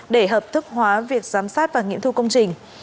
để hợp thức hóa việc giám sát và nghiệm thu công trình